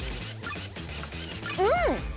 うん！